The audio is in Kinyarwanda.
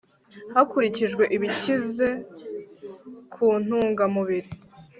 hakurikijwe ibikize ku ntungamubiri